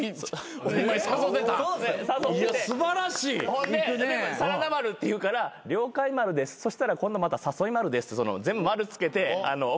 ほんで『真田丸』って言うから「了解丸ですそしたら今度また誘い丸です」って全部丸付けて送ったんですよ。